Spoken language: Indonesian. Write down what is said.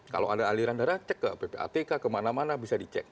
kalau ada aliran dana cek ke ppatk kemana mana bisa dicek